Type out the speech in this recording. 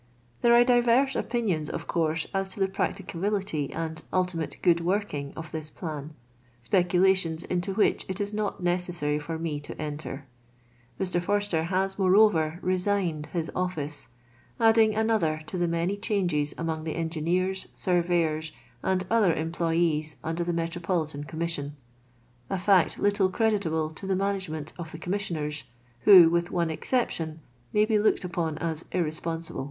There are divers opinions, of coarse, as to the practicability and ultimate good working of this plan ; speculations into which it ii not necessary for me to enter. Hr. Forster has, moreover, r« signed his oflice, adding another to the many changes among the engineers, surveyors, and other empIoy(5« under the Metropolitan Commission; a fiut little creditable to the management of the Commissioners, who, with one exception, may be looked upon as irresponsible.